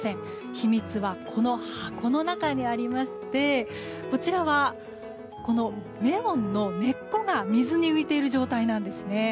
秘密は、この箱の中にありましてこちらは、このメロンの根っこが水に浮いている状態なんですね。